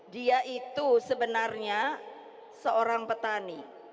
dia itu sebenarnya seorang petani